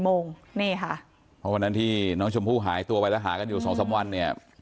เพราะวันนั้นที่น้องชมพูหายตัวไปและหากันอยู่สองสั้นวันเนี่ย